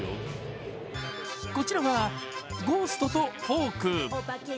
こちらはゴーストとフォーク。